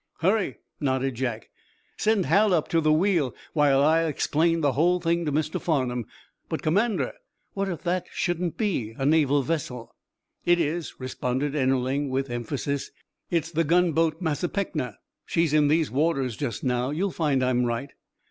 "Hurry," nodded Jack. "Send Hal up to the wheel, while I explain the whole thing to Mr. Farnum. But, commander, what if that shouldn't be a Navy vessel?" "It is," responded Ennerling, with emphasis. "It's the gunboat 'Massapeqna.' She's in these waters just now. You'll find I'm right."